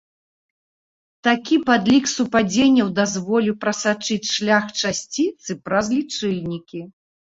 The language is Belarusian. Такі падлік супадзенняў дазволіў прасачыць шлях часціцы праз лічыльнікі.